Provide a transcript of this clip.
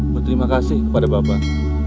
berterima kasih kepada bapak